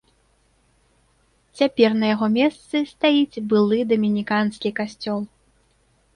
Цяпер на яго месцы стаіць былы дамініканскі касцёл.